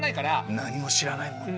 何も知らないもんで。